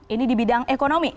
ini di bidang ekonomi